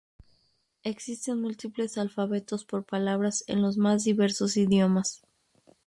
Existen múltiples alfabetos por palabras en los más diversos idiomas.